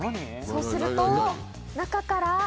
・そうすると中から。